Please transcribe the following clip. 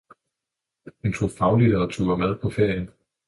Hun tog faglitteratur med på ferien.